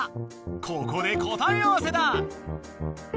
ここでこたえあわせだ！